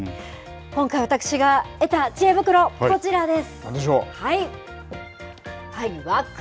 今回私が得たちえ袋、こちらです。